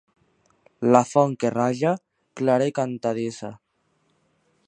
La font que raja, clara i cantadissa.